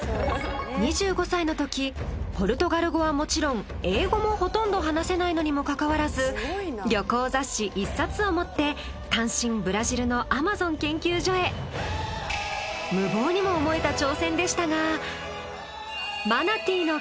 ２５歳の時ポルトガル語はもちろん英語もほとんど話せないのにもかかわらず旅行雑誌１冊を持って無謀にも思えた挑戦でしたが。